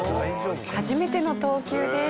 初めての投球です。